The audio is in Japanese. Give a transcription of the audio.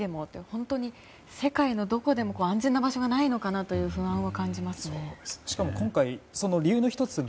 本当に世界のどこでも安全な場所がないのかなというしかも今回、理由の１つが